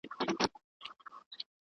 د پښتون ورمېږ پهخپله توره غوڅ دی.